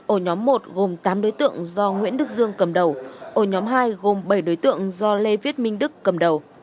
ổ nhóm một gồm tám đối tượng do nguyễn đức dương cầm đầu ổ nhóm hai gồm bảy đối tượng do lê viết minh đức cầm đầu